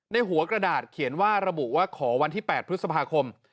ในหัวกระดาษเขียนว่าระบุว่าขอวันที่๘พฤษภาคม